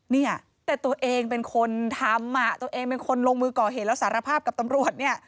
เนี่ยแต่ตัวเองเป็นคนทำอ่ะตัวเองเป็นคนลงมือก่อเหตุแล้วสารภาพกับตำรวจเนี่ย